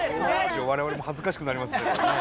我々も恥ずかしくなりますけどもね。